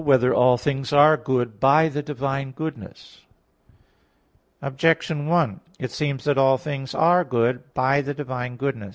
4] Whether All Things Are Good by the Divine Goodness? Objection 1: It seems that all things are good by the divine goodness.